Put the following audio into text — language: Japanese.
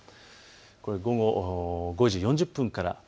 これは午後５時４０分から。